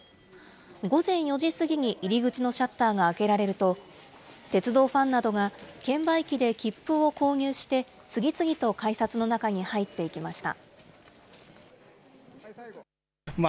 午前４時過ぎに入り口のシャッターが開けられると、鉄道ファンなどが券売機で切符を購入して、次々と改札の中に入っていきました。